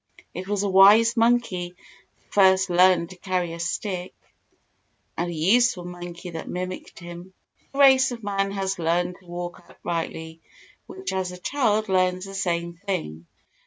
It was a wise monkey that first learned to carry a stick and a useful monkey that mimicked him. For the race of man has learned to walk uprightly much as a child learns the same thing.